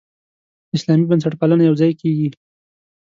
اسلامي بنسټپالنه یوځای کېږي.